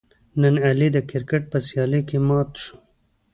نن علي د کرکیټ په سیالۍ کې مات شو.